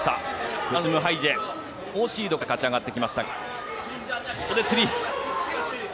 フランスのムハイジェノーシードから勝ち上がってきました。